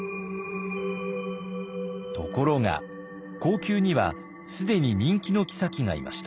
ところが後宮には既に人気の后がいました。